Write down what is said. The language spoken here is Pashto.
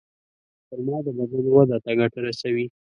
خرما د بدن وده ته ګټه رسوي.